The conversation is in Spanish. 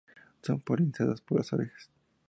Son polinizadas por las abejas.